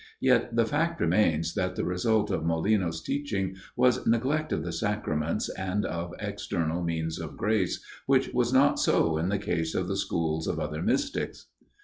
Yet the fact remains that the result of Molinos' teaching was neglect of the Sacraments and of external means of grace, which was not so in the case of the schools of other mystics."